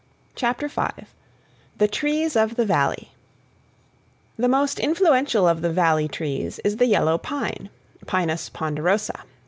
Chapter 5 The Trees of the Valley The most influential of the Valley trees is the yellow pine (Pinus ponderosa).